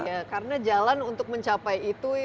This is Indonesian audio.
ya karena jalan untuk mencapai itu